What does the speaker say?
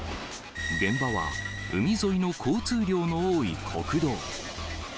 現場は海沿いの交通量の多い国道。